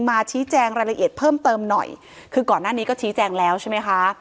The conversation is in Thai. มาชี้แจงรายละเอียดเพิ่มเติมหน่อยคือก่อนหน้านี้ก็ชี้แจงแล้วใช่ไหมคะ